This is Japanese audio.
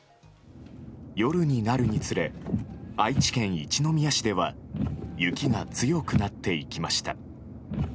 夜になるにつれ愛知県一宮市では雪が強くなっていきました。